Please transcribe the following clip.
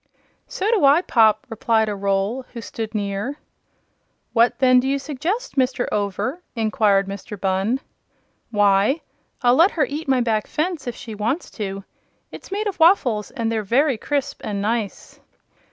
"So do I, Pop," replied a Roll who stood near. "What, then, do you suggest, Mr. Over?" inquired Mr. Bunn. "Why, I'll let her eat my back fence, if she wants to. It's made of waffles, and they're very crisp and nice."